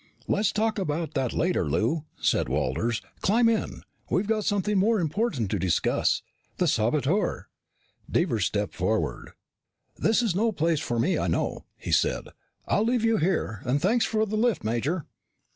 "Let's talk about that later, Lou," said Walters. "Climb in. We've got something more important to discuss. The saboteur." Devers stepped forward. "This is no place for me, I know," he said. "I'll leave you here. And thanks for the lift, Major."